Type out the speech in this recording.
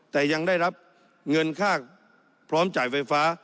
แต่ยังได้รับเงินค่าพร้อมจ่ายไฟฟ้า